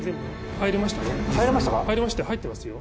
入ってますよ。